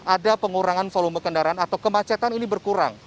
ada pengurangan volume kendaraan atau kemacetan ini berkurang